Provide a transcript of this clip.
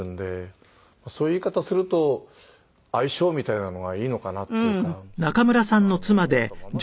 そういう言い方すると相性みたいなのがいいのかなっていうか思ったまま付き合ってる。